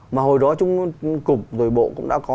mà hồi đó trung cục rồi bộ cũng đã có